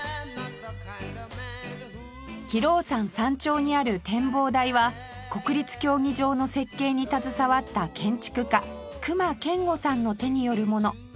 亀老山山頂にある展望台は国立競技場の設計に携わった建築家隈研吾さんの手によるもの